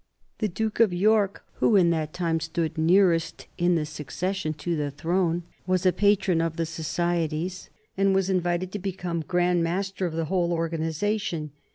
The Duke of York, who at that time stood nearest in the succession to the throne, was a patron of the societies, and was invited to become Grand Master of the whole organization.